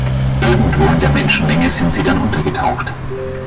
Irgendwo in der Menschenmenge sind sie dann untergetaucht.